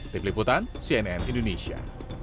di peliputan cnn indonesia